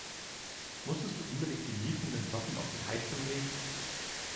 Musstest du unbedingt die miefenden Socken auf die Heizung legen?